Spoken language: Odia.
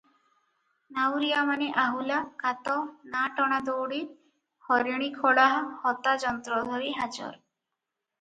ନାଉରିଆମାନେ ଆହୁଲା, କାତ, ନା - ଟଣା ଦଉଡ଼ି, ହରିଣିଖୋଳା ହତା ଯନ୍ତ୍ର ଧରି ହାଜର ।